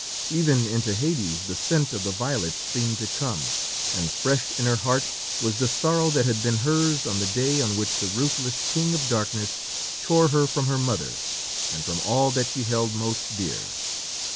Even into Hades the scent of the violets seemed to come, and fresh in her heart was the sorrow that had been hers on the day on which the ruthless King of Darkness tore her from her mother and from all that she held most dear.